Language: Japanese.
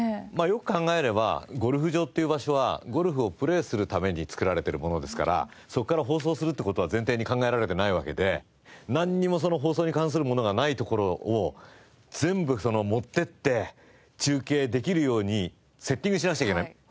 まあよく考えればゴルフ場っていう場所はゴルフをプレーするために造られてるものですからそこから放送するって事は前提に考えられてないわけでなんにも放送に関するものがないところを全部持っていって中継できるようにセッティングしなくちゃいけない。